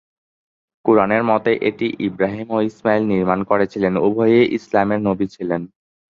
কুরআনের মতে এটি ইব্রাহিম ও ইসমাইল নির্মাণ করেছিলেন, উভয়ই ইসলামের নবী ছিলেন।